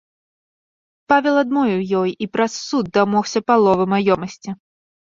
Павел адмовіў ёй і праз суд дамогся паловы маёмасці.